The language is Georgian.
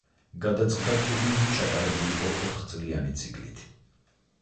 გადაწყდა ტურნირი ჩატარებულიყო ოთხწლიანი ციკლით.